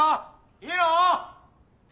いいの？